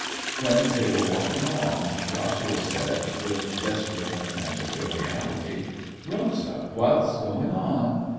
When they were walking along Joshua said, with desperate attempt at joviality, 'Rosa, what's going on?